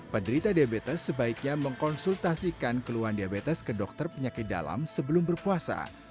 penderita diabetes sebaiknya mengkonsultasikan keluhan diabetes ke dokter penyakit dalam sebelum berpuasa